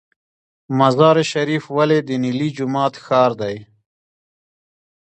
مزار شریف ولې د نیلي جومات ښار دی؟